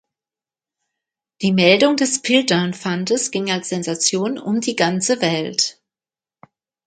Die Meldung des Piltdown-Fundes ging als Sensation um die ganze Welt.